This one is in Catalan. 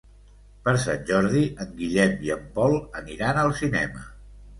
Per Sant Jordi en Guillem i en Pol aniran al cinema.